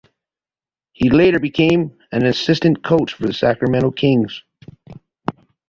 He later became an assistant coach for the Sacramento Kings.